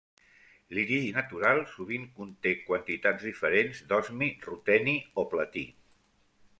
L'iridi natural sovint conté quantitats diferents d'osmi, ruteni o platí.